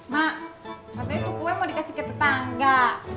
mak katanya tuh kue mau dikasih ke tetangga